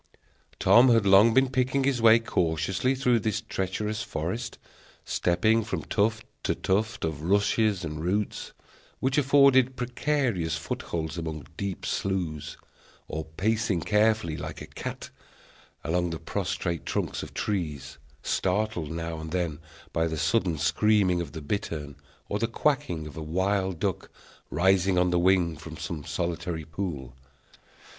Tom had long been picking his way cautiously through this treacherous forest, stepping from tuft to tuft of rushes and roots, which afforded precarious footholds among deep sloughs, or pacing carefully, like a cat, along the prostrate trunks of trees, startled now and then by the sudden screaming of the bittern, or the quacking of a wild duck, rising on the wing from some solitary pool.